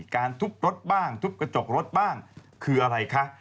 การทุบรถบ้างทุบกระจกรถบ้างคืออะไรคะ